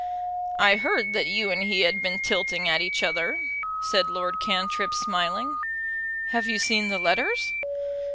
"I heard that you and he had been tilting at each other," said Lord Cantrip, smiling. "Have you seen the letters?"